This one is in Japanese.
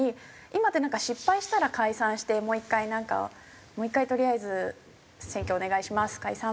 今って失敗したら解散してもう１回なんかもう１回とりあえず選挙お願いします解散！